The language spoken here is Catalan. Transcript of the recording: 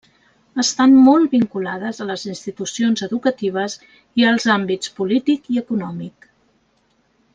Estan molt vinculades a les institucions educatives i als àmbits polític i econòmic.